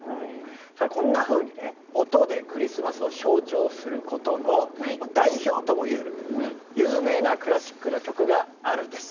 こんなふうにね音でクリスマスを象徴することの代表ともいえる有名なクラシックの曲があるんです。